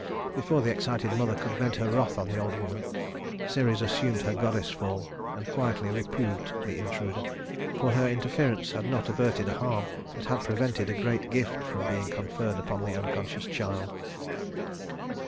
Before the excited mother could vent her wrath on the old woman, Ceres assumed her goddess form and quietly reproved the intruder; for her interference had not averted a harm, but had prevented a great gift from being conferred upon the unconscious child.